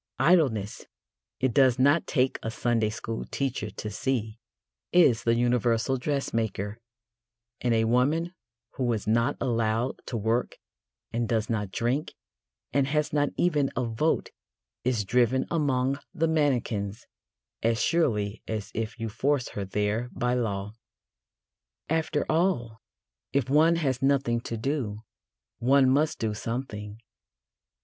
Idleness, it does not take a Sunday school teacher to see, is the universal dressmaker, and a woman who is not allowed to work and does not drink and has not even a vote is driven among the mannequins as surely as if you forced her there by law. After all, if one has nothing to do, one must do something.